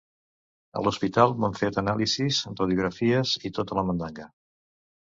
A l'hospital m'han fet anàlisis, radiografies i tota la mandanga.